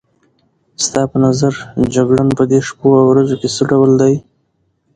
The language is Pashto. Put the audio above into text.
ستا په نظر جګړن په دې شپو او ورځو کې څه ډول دی؟